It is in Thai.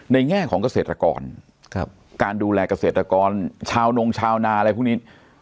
แง่ของเกษตรกรการดูแลเกษตรกรชาวนงชาวนาอะไรพวกนี้